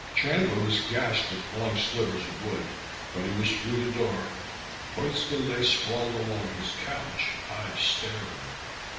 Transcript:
Chandler was gashed with long slivers of wood, but he was through the door. Koitska lay sprawled along his couch, eyes staring.